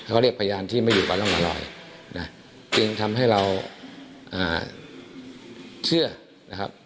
เขาเรียกพยานที่ไม่อยู่กับร่องรอยนะจึงทำให้เราเชื่อนะครับ